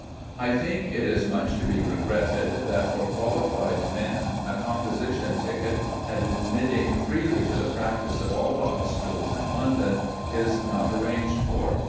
I think it is much to be regretted that, for qualified men, a composition ticket admitting freely to the practice of all the hospitals in London is not arranged for.